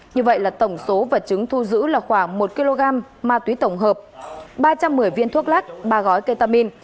như vậy là tổng số vật chứng thu giữ là khoảng một kg ma túy tổng hợp ba trăm một mươi viên thuốc lắc ba gói ketamine